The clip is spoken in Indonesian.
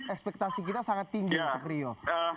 ekspektasi kita sangat tinggi untuk rio